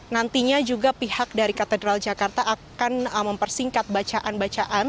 nantinya juga pihak dari katedral jakarta akan mempersingkat bacaan bacaan